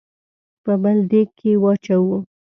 په بل دېګ کې واچوو.